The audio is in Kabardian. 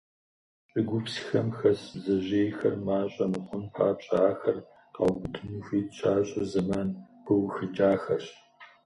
ЩӀыгупсхэм хэс бдзэжьейхэр мащӀэ мыхъун папщӀэ, ахэр къаубыдыну хуит щащӀыр зэман пыухыкӀахэрщ.